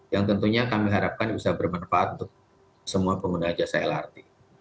yang tentunya kami harapkan bisa bermanfaat untuk semua pengguna jasa lrt